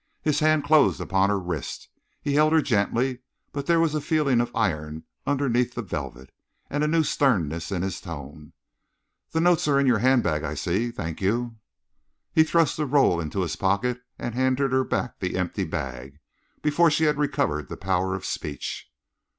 His hand closed upon her wrist. He held her gently, but there was a feeling of iron underneath the velvet, and a new sternness in his tone. "The notes are in your handbag, I see. Thank you!" He thrust the roll into his pocketbook and handed her back the empty bag before she had recovered the power of speech.